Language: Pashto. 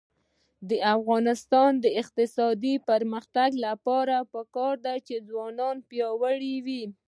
د افغانستان د اقتصادي پرمختګ لپاره پکار ده چې ځوانان پیاوړي وي.